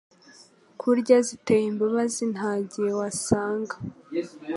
Kurya ziteye imbabazi Nta gihe wasanga